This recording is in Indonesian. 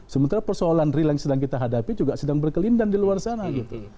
sementara persoalan real yang sedang kita hadapi juga sedang berkelindan di luar sana gitu